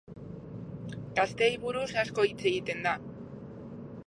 Gazteei buruz asko hitz egiten da.